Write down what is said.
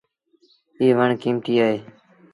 ايٚ وڻ ڪيٚمتيٚ اهي۔